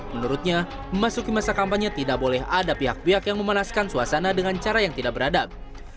menurutnya memasuki masa kampanye tidak boleh ada pihak pihak yang memanaskan suasana dengan cara yang tidak beradab